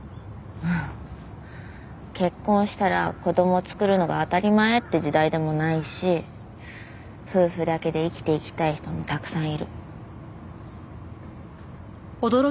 結婚したら子供を作るのが当たり前って時代でもないし夫婦だけで生きていきたい人もたくさんいる。